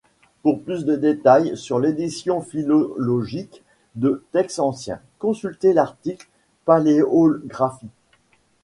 Pour plus de détails sur l'édition philologique de textes anciens, consulter l'article paléographie.